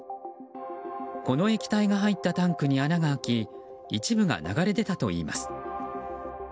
この液体が入ったタンクに穴が開き一部が流れ出たといいます。